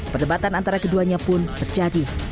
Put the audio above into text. perdebatan antara keduanya pun terjadi